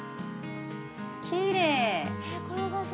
きれい。